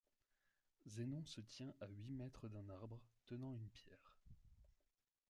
Zénon se tient à huit mètres d'un arbre, tenant une pierre.